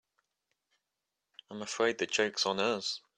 I'm afraid the joke's on us.